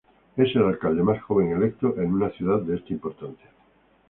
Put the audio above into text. Es el alcalde más joven electo en una ciudad de esta importancia.